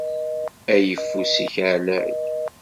Ayeffus-ik ɛlay.